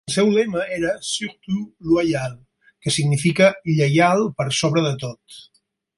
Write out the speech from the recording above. El seu lema era "Surtout Loyal", que significa 'lleial per sobre de tot'.